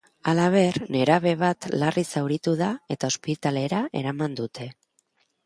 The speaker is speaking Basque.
Halaber, nerabe bat larri zauritu da eta ospitalera eraman dute.